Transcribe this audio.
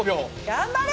頑張れ！